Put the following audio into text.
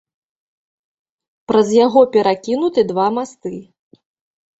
Праз яго перакінуты два масты.